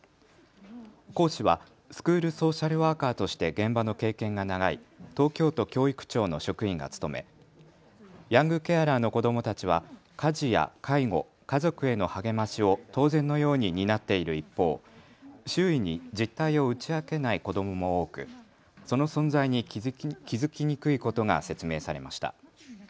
講師はスクールソーシャルワーカーとして現場の経験が長い東京都教育庁の職員が務めヤングケアラーの子どもたちは家事や介護、家族への励ましを当然のように担っている一方、周囲に実態を打ち明けない子どもも多くその存在に気付きにくいことが説明されました。